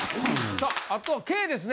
さあ後はＫですね。